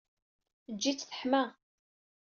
Ddj-it teḥma.